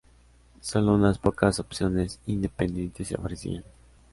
Solo unas pocas opciones independientes se ofrecían.